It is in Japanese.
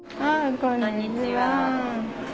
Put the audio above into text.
こんにちは。